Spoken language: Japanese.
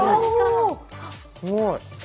すごい。